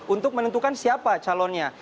untuk menentukan siapa calonnya